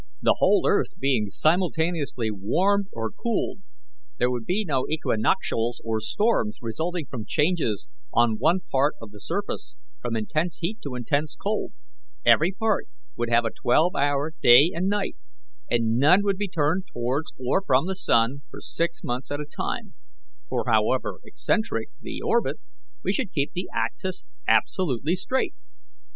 The whole earth being simultaneously warmed or cooled, there would be no equinoctials or storms resulting from changes on one part of the surface from intense heat to intense cold; every part would have a twelve hour day and night, and none would be turned towards or from the sun for six months at a time; for, however eccentric the orbit, we should keep the axis absolutely straight.